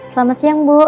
selamat siang bu